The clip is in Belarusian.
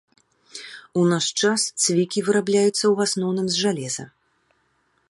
У наш час цвікі вырабляюцца ў асноўным з жалеза.